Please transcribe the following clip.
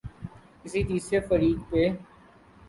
کسی تیسرے فریق پہ۔